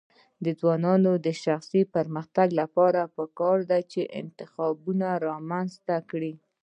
د ځوانانو د شخصي پرمختګ لپاره پکار ده چې انتخابونه رامنځته کړي.